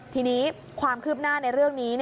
ทีนี้ความคืบหน้าในเรื่องนี้